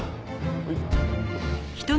はい。